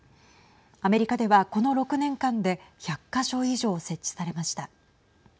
アメリカではこの６年間で１００か所以上設置されました。